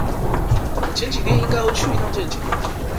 我們前幾天應該會去一趟劍橋